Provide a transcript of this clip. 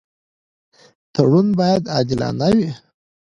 تړون باید عادلانه وي.